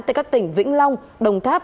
tại các tỉnh vĩnh long đồng tháp